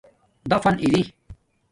دَفن ارئ